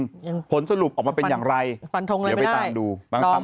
ยังผลสรุปออกมาเป็นอย่างไรฟันทงอะไรไม่ได้เดี๋ยวไปตาม